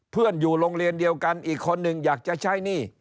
อยู่โรงเรียนเดียวกันอีกคนหนึ่งอยากจะใช้หนี้